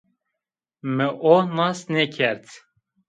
Mi o nas nêkerd